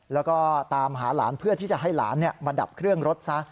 แล้วก็ตามหาหลานเพื่อที่จะให้หลานมาดับเครื่องรถซะ